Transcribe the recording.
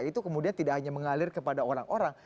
itu kemudian tidak hanya mengalir kepada orang orang